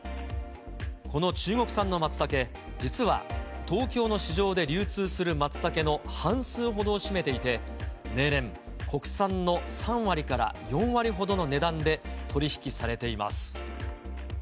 この中国産のマツタケ、実は、東京の市場で流通するマツタケの半数ほどを占めていて、例年、国産の３割から４割ほどの値段で取り引きされています。